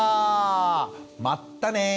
まったね！